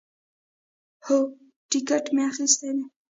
هو، ټیکټ می اخیستی دی